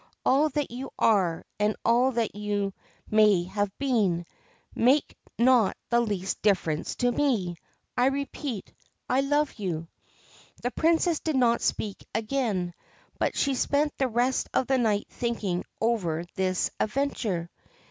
All that you are, and all that you may have been, make not the least difference to me. I repeat, I love you.' The Princess did not speak again, but she spent the rest of the night thinking over this adventure.